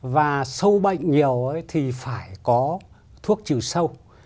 và sâu bệnh nhiều thì phải có thuốc trừ sâu